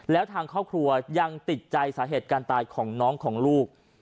แล้วทางครอบครัวยังติดใจสาเหตุการตายของน้องของลูก